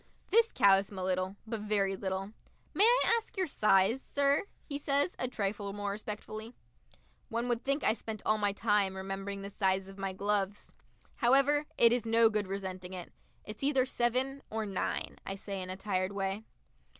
This cows him a little, but very little. "May I ask your size, sir?" he says, a trifle more respectfully. One would think I spent all my time remembering the size of my gloves. However, it is no good resenting it. "It's either seven or nine," I say in a tired way.